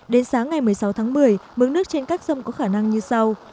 đến sáng ngày một mươi sáu tháng một mươi mức nước trên các sông có khả năng như sau